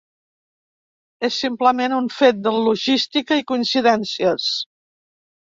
És simplement un fet de logística i coincidències.